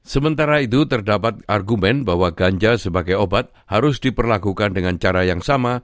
sementara itu terdapat argumen bahwa ganja sebagai obat harus diperlakukan dengan cara yang sama